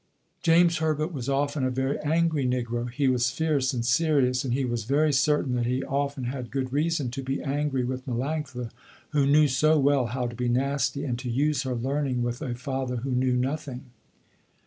James Herbert was often a very angry negro. He was fierce and serious, and he was very certain that he often had good reason to be angry with Melanctha, who knew so well how to be nasty, and to use her learning with a father who knew nothing.